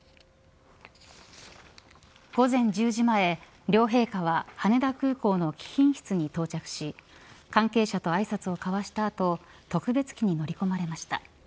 午前１０時前、両陛下は羽田空港の貴賓室に到着し関係者とあいさつを交わした後特別機に乗り込まれました。